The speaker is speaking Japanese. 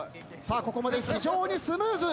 ここまで非常にスムーズ。